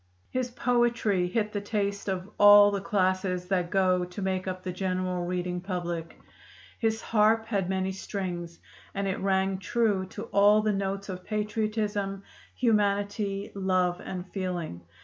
His poetry hit the taste of all the classes that go to make up the general reading public; his harp had many strings, and it rang true to all the notes of patriotism, humanity, love, and feeling.